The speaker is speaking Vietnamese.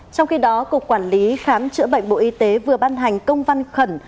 trong khi đó cục quản lý khám chữa bệnh bộ y tế vừa ban hành công văn khẩn